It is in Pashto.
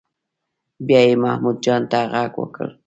بیا یې محمود جان ته غږ وکړ.